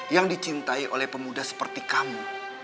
yang dicintai oleh pemuda seperti kamu